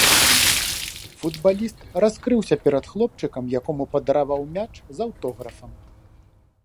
Футбаліст раскрыўся перад хлопчыкам, якому падараваў мяч з аўтографам.